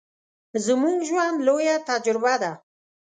زموږ ژوند، لويه تجربه ده.